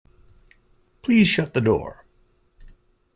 Please shut the door.